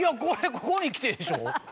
ここにきてでしょ？